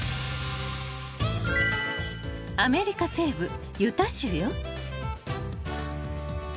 ［アメリカ西部ユタ州よ］